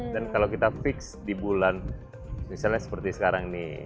dan kalau kita fix di bulan misalnya seperti sekarang nih